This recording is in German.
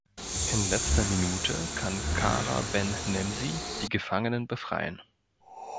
In letzter Minute kann Kara Ben Nemsi die Gefangenen befreien.